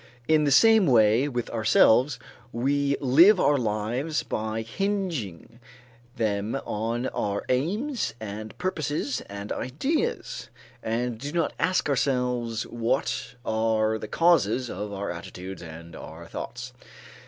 In the same way with ourselves. We live our lives by hinging them on our aims and purposes and ideas, and do not ask ourselves what are the causes of our attitudes and of our thoughts.